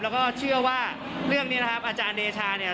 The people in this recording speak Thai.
แล้วก็เชื่อว่าเรื่องนี้นะครับอาจารย์เดชาเนี่ย